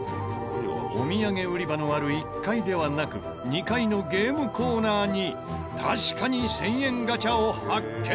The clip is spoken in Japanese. お土産売り場のある１階ではなく２階のゲームコーナーに確かに１０００円ガチャを発見。